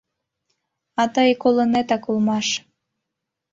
А тый коленатак улмаш...